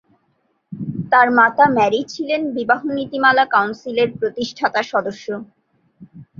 তার মাতা ম্যারি ছিলেন বিবাহ নীতিমালা কাউন্সিলের প্রতিষ্ঠাতা সদস্য।